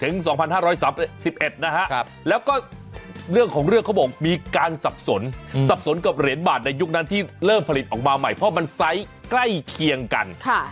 ๒๕๓๑นะฮะแล้วก็เรื่องของเรื่องเขาบอกมีการสับสนสับสนกับเหรียญบาทในยุคนั้นที่เริ่มผลิตออกมาใหม่เพราะมันไซส์ใกล้เคียงกัน